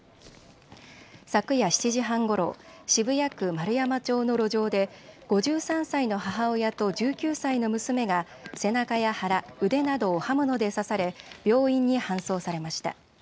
昨夜７時半ごろ、渋谷区円山町の路上で５３歳の母親と１９歳の娘が背中や腹、腕などを刃物で刺され病院に搬送されました。